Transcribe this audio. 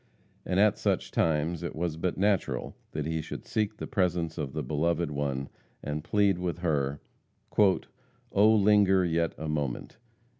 And at such times it was but natural that he should seek the presence of the beloved one, and plead with her "Oh linger yet a moment!